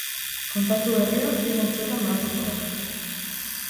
Kontaktu berria bi multzotan banatuko da.